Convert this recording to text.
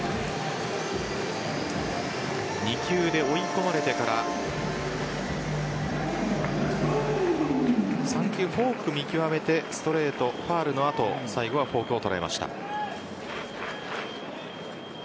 ２球で追い込まれてから３球、フォーク見極めてストレート、ファウルの後最後はフォークを捉えました。